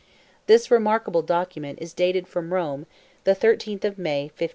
This remarkable document is dated from Rome, the 13th of May, 1580.